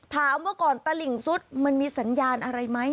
เมื่อก่อนตลิ่งซุดมันมีสัญญาณอะไรไหม